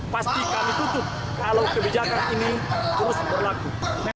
pasti kami tutup kalau kebijakan ini terus berlaku